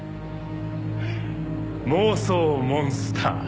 妄想モンスター。